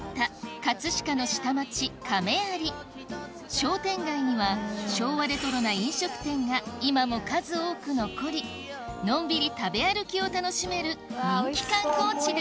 商店街には昭和レトロな飲食店が今も数多く残りのんびり食べ歩きを楽しめる人気観光地です